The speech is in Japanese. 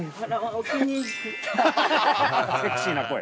セクシーな声。